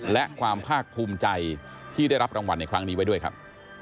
และความภาคภูมิใจที่ได้รับรางวัลในครั้งนี้ไว้ด้วยครับ